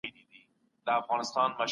ډېرې کیسې شته د بزګرانو.